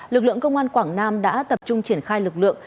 lực lượng công an quảng nam đã tập trung triển khai lực lượng